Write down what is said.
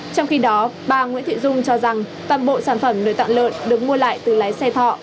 trong khi đó bà nguyễn thị dung cho rằng toàn bộ sản phẩm lời tạng lợn được mua lại từ lái xe thọ